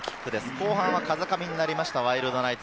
後半は風上になりましたワイルドナイツ。